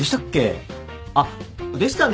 あっでしたね。